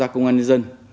công an nhân dân